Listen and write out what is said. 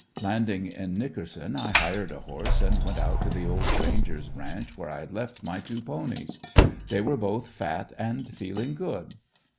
Landing in Nickerson I hired a horse and went out to the old granger's ranch where I had left my two ponies. They were both fat and feeling good.